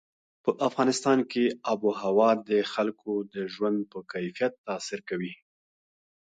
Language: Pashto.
په افغانستان کې آب وهوا د خلکو د ژوند په کیفیت تاثیر کوي.